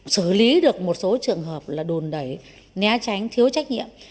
chủ lý được một số trường hợp là đồn đẩy né tránh thiếu trách nhiệm